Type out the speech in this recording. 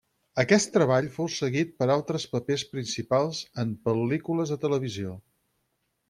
Aquest treball fou seguit per altres papers principals en pel·lícules de televisió.